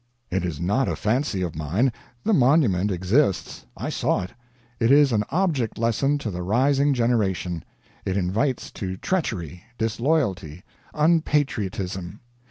It is not a fancy of mine; the monument exists. I saw it. It is an object lesson to the rising generation. It invites to treachery, disloyalty, unpatriotism.